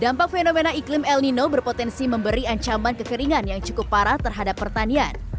dampak fenomena iklim el nino berpotensi memberi ancaman kekeringan yang cukup parah terhadap pertanian